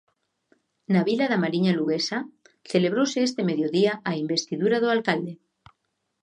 Na vila da Mariña luguesa celebrouse este mediodía a investidura do alcalde.